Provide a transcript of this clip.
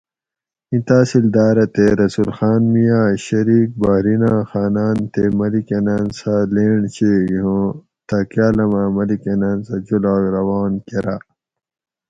اِیں تحصیلداۤرہ تے رسول خان میاۤں شریک بحریناۤں خاناۤن تے ملیکاۤناۤن سہ لینڑ چیگ ھوں تھہ کاۤلاۤماۤں ملیکاۤناۤن سہ جولاگ روان کۤراۤ